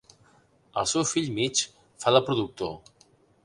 El seu fill Mitch fa de productor.